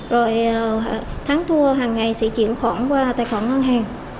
rồi tháng thua hàng ngày sẽ chuyển khoản qua tài khoản ngân hàng